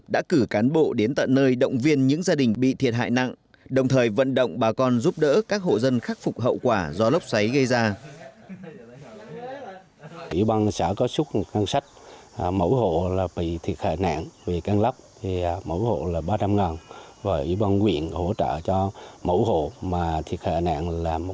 từ cán bộ đến tận nơi động viên những gia đình bị thiệt hại nặng đồng thời vận động bà con giúp đỡ các hộ dân khắc phục hậu quả do lốc xoáy gây ra